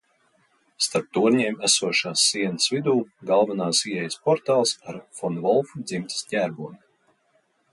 Starp torņiem esošās sienas vidū galvenās ieejas portāls ar fon Volfu dzimtas ģerboni.